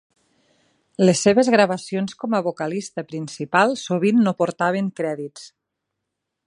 Les seves gravacions com a vocalista principal sovint no portaven crèdits.